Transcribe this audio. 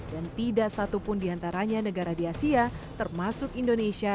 dan tidak satu pun diantaranya negara di asia termasuk indonesia